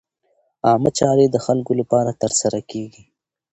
عامه چارې د خلکو لپاره ترسره کېږي.